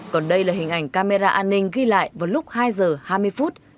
còn đây là hình ảnh camera an ninh ghi lại vào lúc hai giờ hai mươi phút